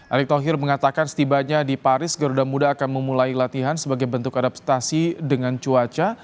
erick thohir mengatakan setibanya di paris garuda muda akan memulai latihan sebagai bentuk adaptasi dengan cuaca